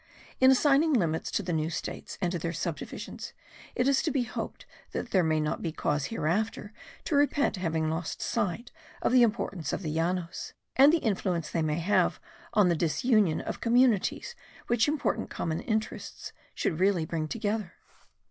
In assigning limits to the new states and to their subdivisions, it is to be hoped there may not be cause hereafter to repent having lost sight of the importance of the Llanos, and the influence they may have on the disunion of communities which important common interests should bring together.